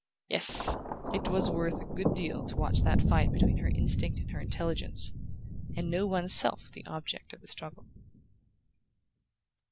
Yes! It was worth a good deal to watch that fight between her instinct and her intelligence, and know one's self the object of the struggle...